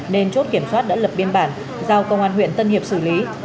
nên chốt kiểm soát đã lập biên bản giao công an huyện tân hiệp xử lý